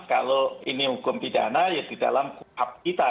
kalau ini hukum pidana ya di dalam kuhap kita